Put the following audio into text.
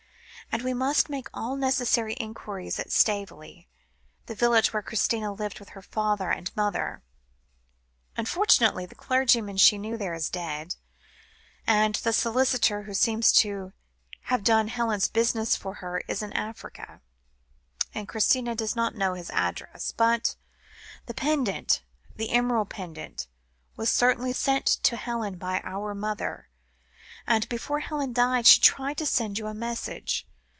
And we must make all necessary enquiries at Staveley the village where Christina lived with her father and mother. Unfortunately, the clergyman she knew there, is dead; and the solicitor, who seems to have done Helen's business for her, is in Africa, and Christina does not know his address. But the pendant, the emerald pendant, was certainly sent to Helen by our mother; and before Helen died, she tried to send you a message.